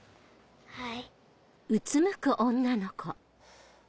はい。